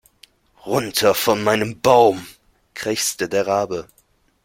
Runter von meinem Baum, krächzte der Rabe.